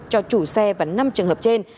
cho chủ xe và năm trường hợp trên